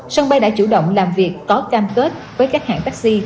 sân bay đã chủ động làm việc có cam kết với các hãng taxi